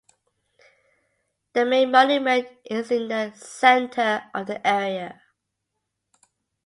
The main monument is in the center of the area.